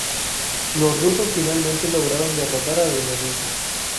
Los rusos finalmente lograron derrotar al enemigo.